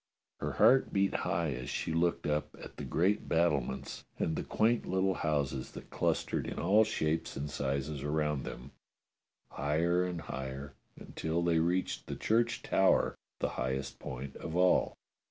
Her heart beat high as she looked up at the great battlements and the quaint little houses that clustered in all shapes and sizes around them, higher and higher, until they reached the church tower, the highest point of all.